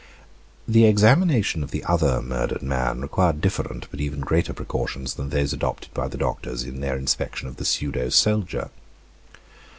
The examination of the other murdered man required different but even greater precautions than those adopted by the doctors in their inspection of the pseudo soldier.